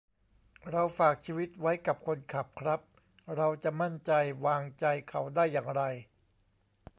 เราฝากชีวิตไว้กับคนขับครับ : เราจะมั่นใจวางใจเขาได้อย่างไร